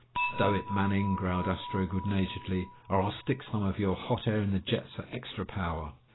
"Stow it, Manning," growled Astro good naturedly, "or I'll stick some of your hot air in the jets for extra power!"